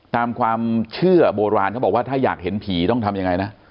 ตามความเชื่อโบราณเขาบอกว่าถ้าอยากเห็นผีต้องทำยังไงนะ